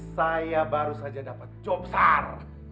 saya baru saja mendapatkan jobsar